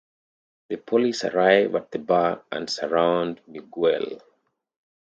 The police arrive at the bar and surround Miguel.